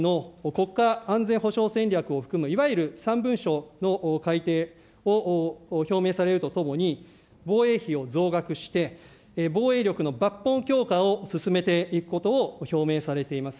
総理は年末にはわが国の国家安全保障戦略を含むいわゆる三文書の改訂を表明されるとともに、防衛費を増額して、防衛力の抜本強化を進めていくことを表明されています。